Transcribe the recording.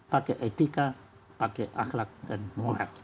pakai etika pakai akhlak dan mohab